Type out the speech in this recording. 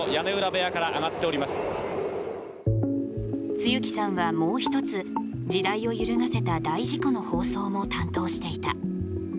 露木さんはもう一つ時代を揺るがせた大事故の放送も担当していた。